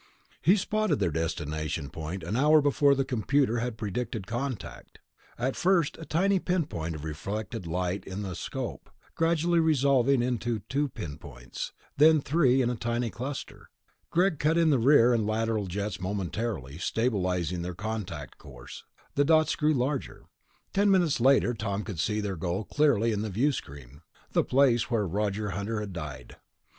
He spotted their destination point an hour before the computer had predicted contact ... at first a tiny pinpoint of reflected light in the scope, gradually resolving into two pinpoints, then three in a tiny cluster. Greg cut in the rear and lateral jets momentarily, stabilizing their contact course; the dots grew larger. Ten minutes later, Tom could see their goal clearly in the viewscreen ... the place where Roger Hunter had died.